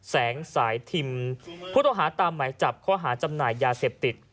แสงสายทิมผู้ต้องหาตามหมายจับข้อหาจำหน่ายยาเสพติด